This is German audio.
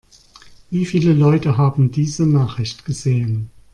Wie viele Leute haben diese Nachricht gesehen?